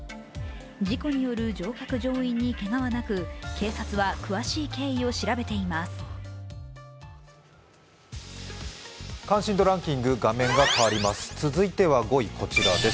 事故による乗客乗員にけがはなく警察は詳しい経緯を調べています。